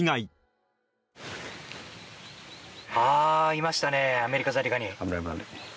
いましたねアメリカザリガニ。